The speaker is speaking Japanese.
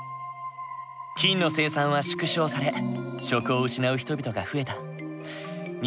金の生産は縮小され職を失う人々が増えた。